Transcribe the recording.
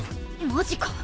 マジか！？